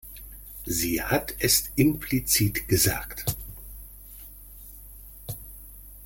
Sie hat es implizit gesagt.